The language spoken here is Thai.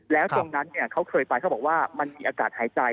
แล้วตรงนั้นเขาเคยไปเขาบอกว่ามันมีอากาศหายใจ